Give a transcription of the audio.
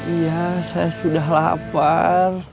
iya saya sudah lapar